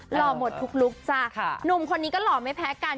หล่อหมดทุกลุคจ้ะหนุ่มคนนี้ก็หล่อไม่แพ้กัน